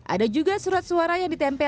ada juga surat suara yang ditempel